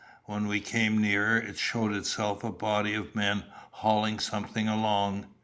When we came nearer it showed itself a body of men hauling something along.